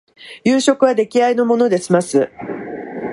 夕食は出来合いのもので済ます